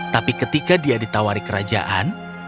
tapi ketika dia ditawari kerajaan